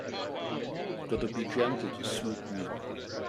Gotta be gentle to suit me.